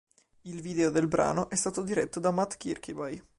Il video del brano è stato diretto da Mat Kirkby.